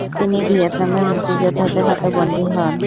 তিনি ভিয়েতনামের মুক্তিযোদ্ধাদের হাতে বন্দী হন।